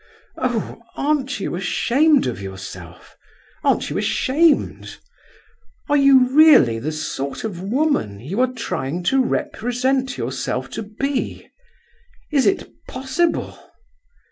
"Oh, aren't you ashamed of yourself—aren't you ashamed? Are you really the sort of woman you are trying to represent yourself to be? Is it possible?"